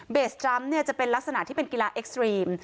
ทรัมป์จะเป็นลักษณะที่เป็นกีฬาเอ็กซ์ตรีม